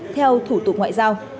theo thủ tục ngoại giao